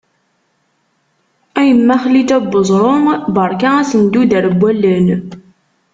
A yemma Xliǧa n Uẓru, berka asenduder n wallen.